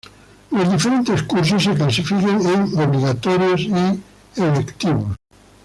Los diferentes cursos se clasifican en obligatorios y electivos.